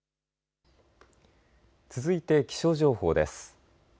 続いて気象情報です。